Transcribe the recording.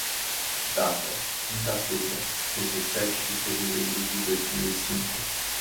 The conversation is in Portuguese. Data: quinta-feira, dezessete de fevereiro de dois mil e cinco.